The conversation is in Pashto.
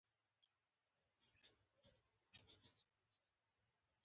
پر احمد مې زړه تور تلب شو ځکه غبر زامن يې مړه شول.